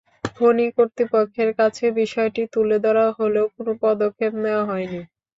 খনি কর্তৃপক্ষের কাছে বিষয়টি তুলে ধরা হলেও কোনো পদক্ষেপ নেওয়া হয়নি।